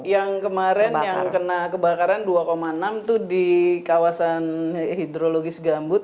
yang kemarin yang kena kebakaran dua enam itu di kawasan hidrologis gambut